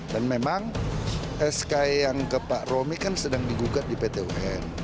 dan memang sk yang ke pak romi kan sedang digugat di pt un